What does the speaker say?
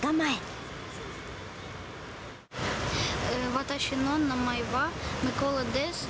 私の名前はミコラです。